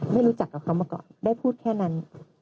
ไม่รู้จักกับเขามาก่อนได้พูดแค่นั้น